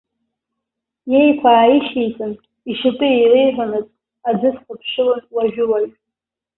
Иеиқәа ааишьеиҵан, ишьапы еилеиҳәонаҵ, аӡы дхыԥшылон уажәыуажәы.